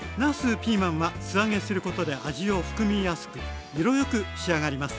ピーマンは素揚げすることで味を含みやすく色よく仕上がります。